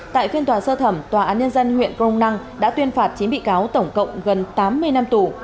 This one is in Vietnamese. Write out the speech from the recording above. tại phiên tòa sơ thẩm tòa án nhân dân huyện crong năng đã tuyên phạt chín bị cáo tổng cộng gần tám mươi năm tù